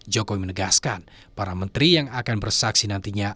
jokowi menegaskan para menteri yang akan bersaksi nantinya